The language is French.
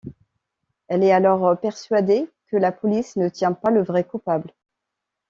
Elle est alors persuadé que la police ne tient pas le vrai coupable.